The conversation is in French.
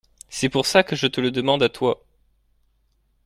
C’est pour ça que je te le demande à toi.